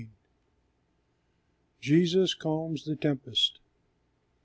JESUS CALMS THE TEMPEST.